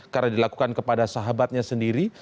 karena dilakukan kepada sahabatnya sendiri